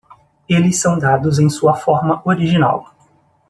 Eles são dados em sua forma original.